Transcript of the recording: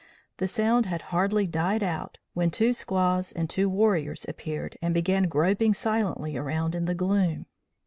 The sound had hardly died out, when two squaws and two warriors appeared and began groping silently around in the gloom.